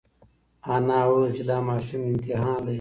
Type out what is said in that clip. انا وویل چې دا ماشوم امتحان دی.